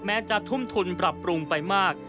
จะทุ่มทุนปรับปรุงไปมาก